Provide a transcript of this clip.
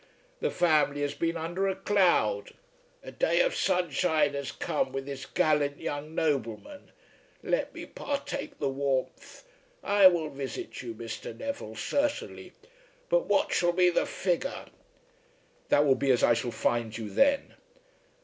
The family has been under a cloud. A day of sunshine has come with this gallant young nobleman. Let me partake the warmth. I will visit you, Mr. Neville, certainly; but what shall be the figure?" "That will be as I shall find you then."